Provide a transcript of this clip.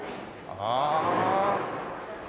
ああ。